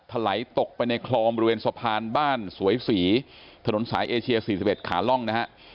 ถลายตกไปในคลองบริเวณสะพานบ้านสวยศรีถนนสายเอเชีย๔๑ขาล่องนะฮะ